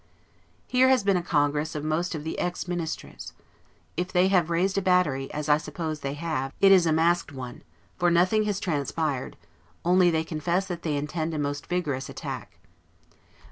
Here has been a congress of most of the 'ex Ministres'. If they have raised a battery, as I suppose they have, it is a masked one, for nothing has transpired; only they confess that they intend a most vigorous attack.